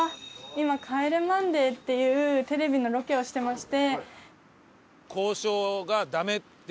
今『帰れマンデー』っていうテレビのロケをしてまして。